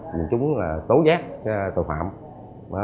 những chúng là tố giác tội phạm